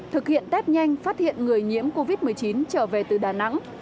thực hiện test nhanh phát hiện người nhiễm covid một mươi chín trở về từ đà nẵng